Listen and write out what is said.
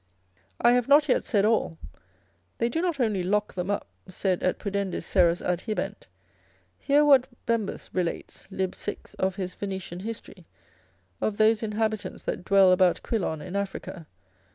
I have not yet said all, they do not only lock them up, sed et pudendis seras adhibent: hear what Bembus relates lib. 6. of his Venetian history, of those inhabitants that dwell about Quilon in Africa.